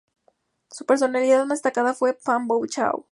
Su personalidad más destacada fue Phan Boi Chau.